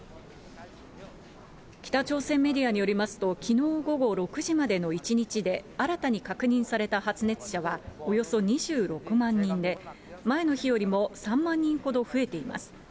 北朝鮮メディアによりますと、きのう午後６時までの１日で、新たに確認された発熱者はおよそ２６万人で、前の日よりも３万人ほど増えています。